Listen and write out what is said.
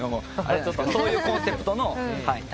そういうコンセプトの対決。